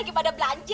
lagi pada belanja ya